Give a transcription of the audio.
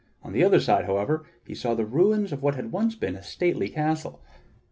On the other side, however, he saw the ruins of what had once been a stately castle.